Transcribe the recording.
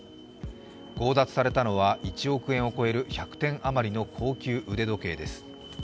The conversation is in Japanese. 強奪されたのは１億円を超える１００点あまりの高級腕時計です。